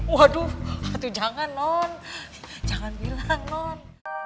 waduh jangan non jangan bilang non